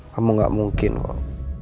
kamu gak mungkin kok